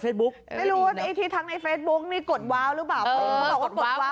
ไม่น่าไม่รู้เวอร์ติธรรมในนี่กดหรือเปล่าเออ